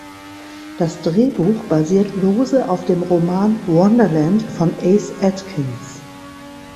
Das Drehbuch basiert lose auf dem Roman "Wonderland" von Ace Atkins.